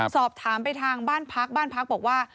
สอบถามไปทางบ้านพักบ้านพักบอกว่า